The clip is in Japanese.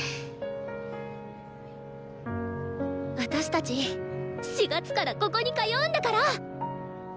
私たち４月からここに通うんだから！